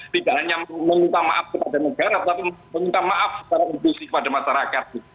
tidak hanya meminta maaf kepada negara tapi meminta maaf secara inklusif kepada masyarakat